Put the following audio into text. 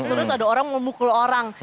terus ada orang memukul orang